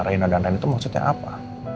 rina dan rina itu maksudnya apa